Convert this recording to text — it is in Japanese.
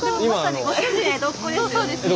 そうですね。